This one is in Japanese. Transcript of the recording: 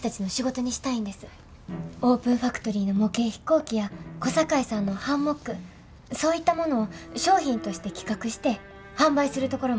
オープンファクトリーの模型飛行機や小堺さんのハンモックそういったものを商品として企画して販売するところまで考えてます。